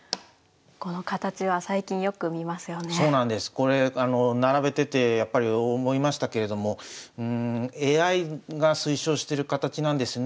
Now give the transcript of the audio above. これ並べててやっぱり思いましたけれどもＡＩが推奨してる形なんですね